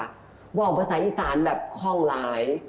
บอกว่าภาษาอีสานคล่องร้าย